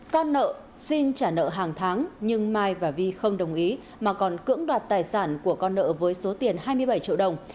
con nợ xin trả nợ hàng tháng nhưng mai và vi không đồng ý mà còn cưỡng đoạt tài sản của con nợ với số tiền hai mươi bảy triệu đồng